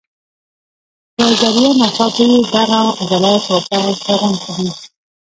پۀ ذريعه ناڅاپي دغه عضلات واپس راغونډ کړي